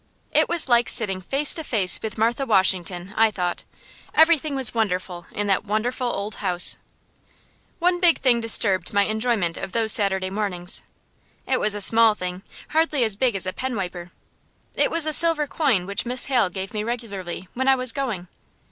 It was like sitting face to face with Martha Washington, I thought. Everything was wonderful in that wonderful old house. One thing disturbed my enjoyment of those Saturday mornings. It was a small thing, hardly as big as a pen wiper. It was a silver coin which Miss Hale gave me regularly when I was going.